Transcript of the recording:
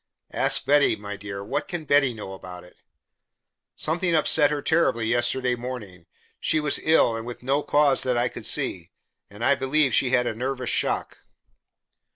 "Ask Betty! My dear! What can Betty know about it?" "Something upset her terribly yesterday morning. She was ill and with no cause that I could see, and I believe she had had a nervous shock."